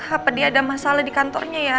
apa dia ada masalah di kantornya ya